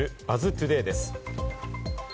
トゥデイです。